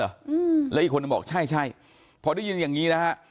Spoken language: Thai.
อืมแล้วอีกคนนึงบอกใช่ใช่พอได้ยินอย่างงี้นะฮะ